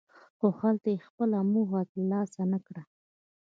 خو هلته یې خپله موخه ترلاسه نکړه.